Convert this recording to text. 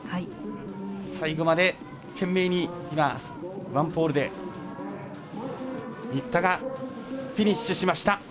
最後まで懸命に、ワンポールで新田がフィニッシュしました。